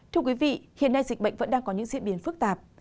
thưa quý vị hiện nay dịch bệnh vẫn đang có những diễn biến phức tạp